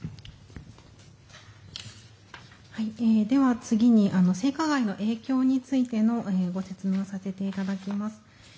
では、次に性加害の影響についてのご説明をさせていただきます。